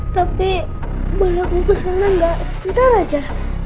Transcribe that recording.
tapi boleh aku kesana gak sebentar aja